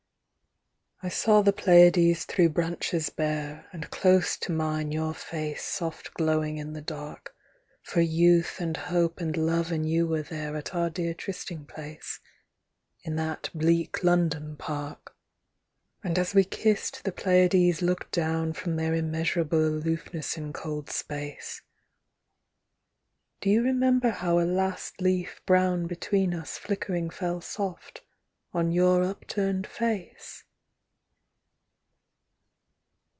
I saw the Pleiades through branches bare, And close to mine your face Soft glowing in the dark ; For Youth and Hope and Love and You were there At our dear trysting place In that bleak London park. And as we kissed the Pleiades looked down From their immeasurable Aloofness in cold Space. Do you remember how a last leaf brown Between us flickering fell Soft on your upturned face?